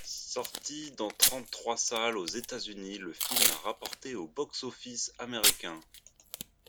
Sorti dans trente-trois salles aux États-Unis, le film a rapporté au box-office américain.